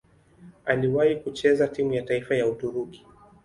Aliwahi kucheza timu ya taifa ya Uturuki.